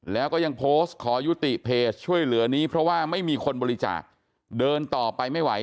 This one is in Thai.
แล้วก็ยังโพสต์ขอยุติเพจช่วยเหลือนี้เพราะว่าไม่มีคนบริจาคเดินต่อไปไม่ไหว